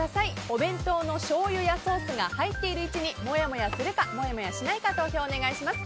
お弁当のしょうゆやソースが入っている位置にもやもやするかもやもやしないか投票をお願いします。